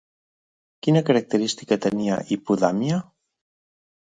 Quina característica tenia Hipodamia?